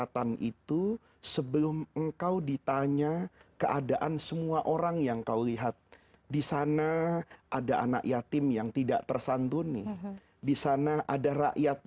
tidak bisa tidur